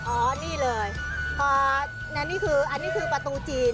อ๋อนี่เลยอันนี้คือประตูจีนประตูที่๑